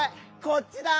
こっちだ！